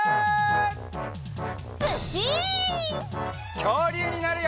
きょうりゅうになるよ！